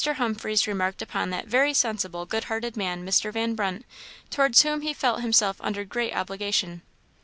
Humphreys remarked upon "that very sensible, good hearted man, Mr. Van Brunt, towards whom he felt himself under great obligation."